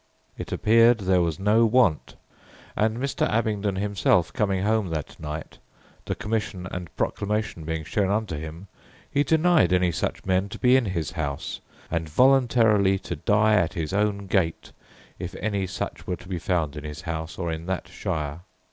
It appeared there was no want; and Mr. Abbingdon himself coming home that night, the commission and proclamation being shown unto him, he denied any such men to be in his house, and voluntarily to die at his own gate, if any such were to be found in his house, or in that shire.